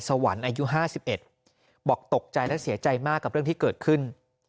สวรรค์อายุ๕๑บอกตกใจและเสียใจมากกับเรื่องที่เกิดขึ้น